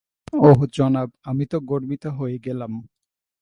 ওহ জনাব আমি তো গর্বিত হয়ে গেলাম।